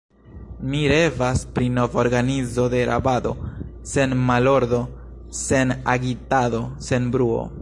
Mi revas pri nova organizo de rabado, sen malordo, sen agitado, sen bruo.